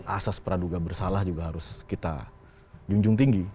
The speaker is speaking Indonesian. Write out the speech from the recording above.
asas praduga bersalah juga harus kita junjung tinggi